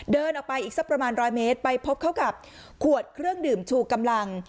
เดินออกไปอีกสักประมาณ๑๐๐เมตรไปพบเข้ากับขวดเครื่องดื่มชูกำลัง